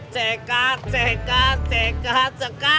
cekat cekat cekat cekakak